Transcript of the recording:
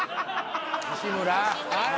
西村。